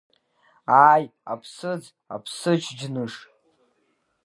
Ааи, аԥсыӡ, Аԥсыӡ-џьныш…